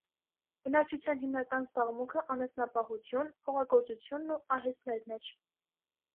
Բնակչության հիմնական զբաղմունքը անասնապահություն, հողագործությունն ու արհեստներն էր։